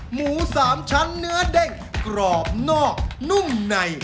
หมูสามชั้นเนื้อเด้งกรอบนอกนุ่มใน